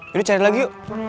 yuk cari lagi yuk